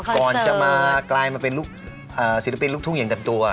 ก่อนจะกลายมาเป็นศิริเร็ปินลูกทุ่งอย่างแต่บตัว